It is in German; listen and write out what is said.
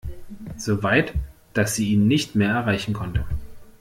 So weit, dass sie ihn nicht mehr erreichen konnte.